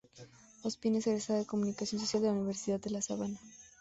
Ospina es egresada de Comunicación Social de la Universidad de la Sabana.